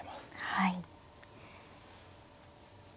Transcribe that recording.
はい。